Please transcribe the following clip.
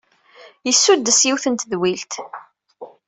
Yessuddes yiwet n tedwilt.